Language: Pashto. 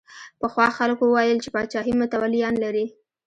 پخوا خلکو ویل چې پاچاهي متولیان لري.